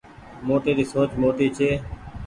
موٽي ري سوچ موٽي ڇي